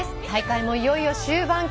大会もいよいよ終盤。